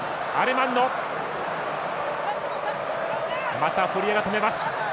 また、堀江が止めます。